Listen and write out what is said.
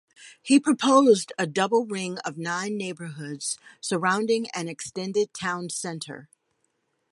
He proposed a double ring of nine neighbourhoods surrounding an extended town centre.